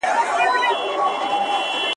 ماته په تمه کېدل یوازې د وخت ضایع کول دي.